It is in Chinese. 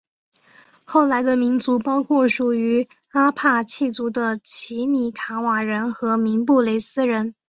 后来的民族包括属于阿帕契族的奇里卡瓦人和明布雷斯人。